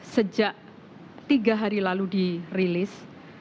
sejak tiga hari lalu dirilis